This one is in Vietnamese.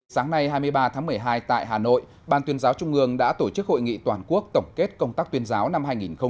sáng nay hai mươi ba tháng một mươi hai tại hà nội ban tuyên giáo trung ương đã tổ chức hội nghị toàn quốc tổng kết công tác tuyên giáo năm hai nghìn một mươi chín